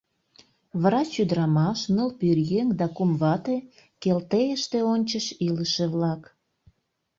Врач ӱдырамаш, ныл пӧръеҥ да кум вате — Келтейыште ончыч илыше-влак.